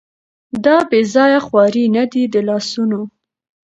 دا بېځايه خوارۍ نه دي د لاسونو